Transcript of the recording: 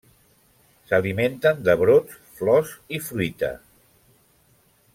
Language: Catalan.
S'alimenten de brots, flors i fruita.